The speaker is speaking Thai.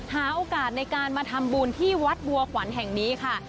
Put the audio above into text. หาโอกาสในการมาทำบุญที่วัดบัวขวัญแห่งนี้ค่ะ